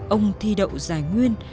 ông thi đậu giải nguyên